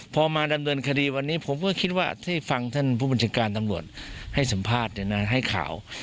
พอมาดำเนินคดีวันนี้ผมก็คิดว่าที่ฟังท่านผู้บัญชาการตำรวจให้สัมภาษณ์ให้ข่าว